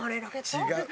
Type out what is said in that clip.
違う。